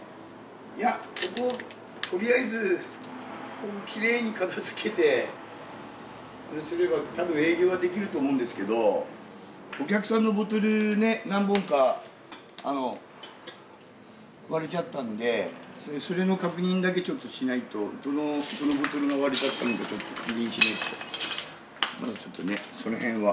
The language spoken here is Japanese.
いや、とりあえずここをきれいに片づけてすれば、多分営業はできると思うんですけど、お客さんのボトル、何本か割れちゃったんで、それの確認だけしないとどのボトルが割れたのか確認しないと、まだちょっとその辺は。